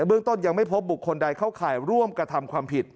เรื่องต้นยังไม่พบบุคคลใดเข้าข่ายร่วมกระทำความผิด